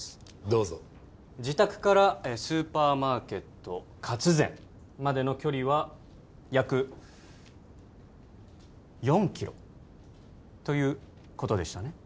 どうぞ自宅からスーパーマーケットカツゼンまでの距離は約４キロということでしたね？